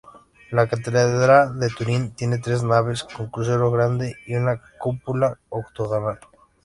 La catedral de Turín tiene tres naves, con crucero grande y una cúpula octogonal.